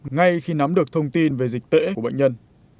ngay khi nắm được thông tin về dịch tễ của bệnh nhân